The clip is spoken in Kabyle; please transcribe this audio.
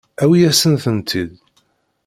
Awi-asent-tent-id.